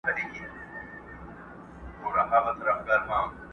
څوک پاچا وي، څوک مُلا وي، څوک کلال دی،